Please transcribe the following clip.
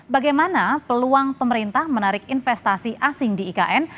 bagaimana peluang pemerintah menarik investasi asing di ikn